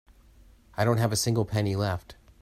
I don't have a single penny left.